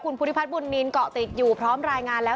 คุณภูริพัฒนบุญมีนเกาะติดอยู่พร้อมรายงานแล้ว